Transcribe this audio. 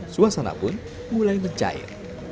suasana pun mulai mencair